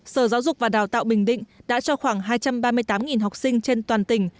sở giáo dục và đào tạo bình định đã cho khoảng hai trăm ba mươi tám học sinh trên toàn tỉnh